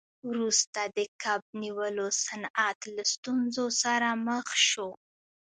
وروسته د کب نیولو صنعت له ستونزو سره مخ شو.